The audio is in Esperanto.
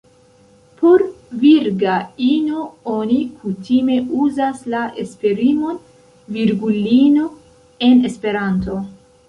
Por virga ino oni kutime uzas la esprimon "virgulino" en Esperanto.